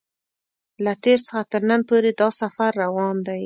له تېر څخه تر نن پورې دا سفر روان دی.